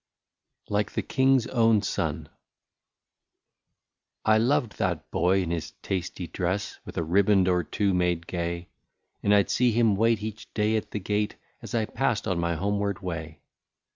'' 83 LIKE THE KING'S OWN SON. I LOVED that boy, in his tasty dress, With a riband or two made gay ; And I 'd see him wait each day at the gate, As 1 passed on my homeward way.